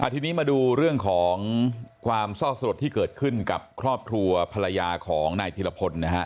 ทีนี้มาดูเรื่องของความเศร้าสลดที่เกิดขึ้นกับครอบครัวภรรยาของนายธิรพลนะฮะ